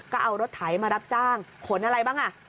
ก็เอารถไถมารับจ้างขนอะไรบ้างอ่ะ